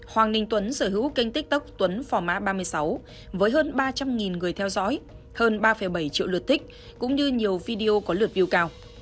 hoàng minh tuấn sở hữu kênh tiktok tuấn phò mã ba mươi sáu với hơn ba trăm linh người theo dõi hơn ba bảy triệu lượt thích cũng như nhiều video có lượt view cao